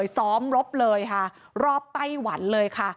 ซ้อมรบเลยค่ะรอบไต้หวันเลยค่ะ